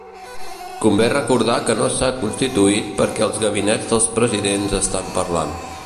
Convé recordar que no s’ha constituït perquè els gabinets dels presidents estan parlant.